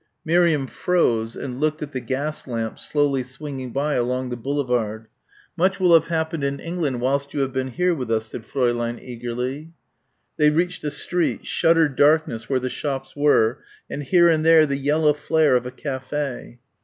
Miriam froze and looked at the gas lamps slowly swinging by along the boulevard. "Much will have happened in England whilst you have been here with us," said Fräulein eagerly. They reached a street shuttered darkness where the shops were, and here and there the yellow flare of a café.